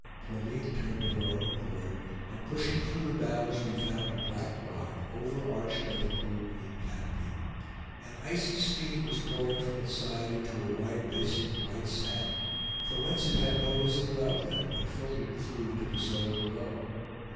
Pauline turned of her own accord, and pushing through the boughs we found a black rock, over arched by the cool green canopy. An icy stream was pouring from its side into a wide basin of white sand, from whence it had no visible outlet, but filtered through into the soil below.